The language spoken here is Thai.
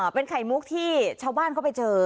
เป็นไข่มุกที่ชาวบ้านเขาไปเจอ